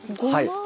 はい。